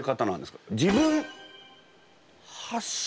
自分発信？